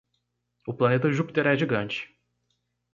O planeta Júpiter é gigante.